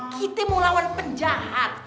kita mau lawan penjahat